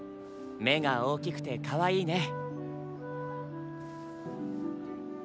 目が大きくてかわいいね。